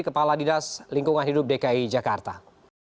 kepala dinas lingkungan hidup dki jakarta